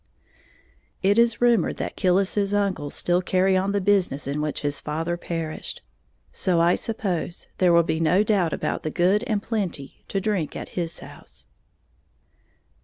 It is rumored that Killis's uncles still carry on the business in which his father perished; so I suppose there will be no doubt about the "good and plenty" to drink at his house.